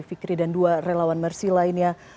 fikri dan dua relawan mersi lainnya